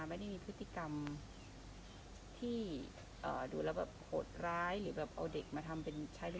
มันไม่ได้มีพฤติกรรมที่ดูแล้วแบบโหดร้าย